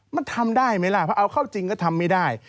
มันทำได้ไหมล่ะพอเอาเข้าจริงก็ทำไม่ได้